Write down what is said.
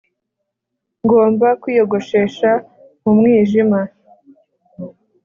ngomba kwiyogoshesha mu mwijima